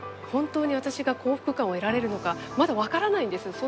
本当に私が幸福感を得られるのかまだ分からないんです。